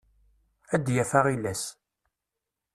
Ad yaf aɣilas.